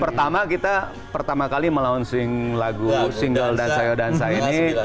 pertama kita pertama kali melouncing lagu single dansa yodansa ini